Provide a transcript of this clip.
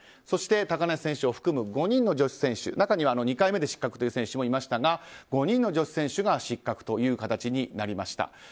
そして高梨選手を含む５人の選手、中には２回目で失格という選手もいましたが５人の選手が失格という形になりました。